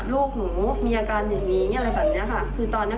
ลูกหนูมีอาการอย่างนี้อะไรแบบนี้ค่ะ